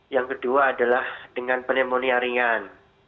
yang kedua adalah dengan pneumonia ringan